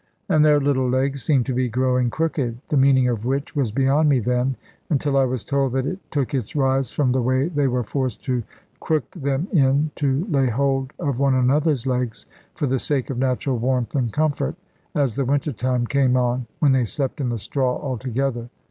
And their little legs seemed to be growing crooked; the meaning of which was beyond me then; until I was told that it took its rise from the way they were forced to crook them in, to lay hold of one another's legs, for the sake of natural warmth and comfort, as the winter time came on, when they slept in the straw all together.